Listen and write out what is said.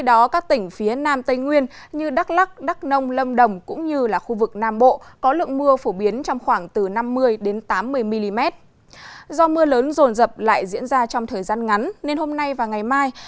do mưa lớn rồn rập lại diễn ra trong thời gian ngắn nên hôm nay và ngày mai